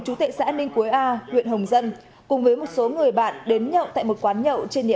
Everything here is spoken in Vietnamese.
chú tệ xã ninh quế a huyện hồng dân cùng với một số người bạn đến nhậu tại một quán nhậu trên địa